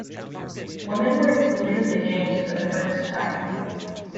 Women were included in the games for the first time.